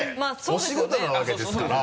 お仕事なわけですから。